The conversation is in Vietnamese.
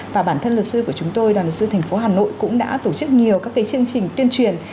và bản thân luật sư của chúng tôi đoàn luật sư thành phố hà nội cũng đã tổ chức nhiều các chương trình tuyên truyền